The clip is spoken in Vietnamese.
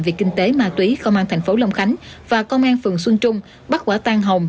về kinh tế ma túy công an thành phố long khánh và công an phường xuân trung bắt quả tan hồng